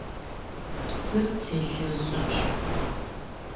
Псыр телъэщӏыкӏ.